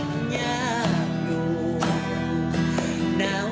จำพบว่า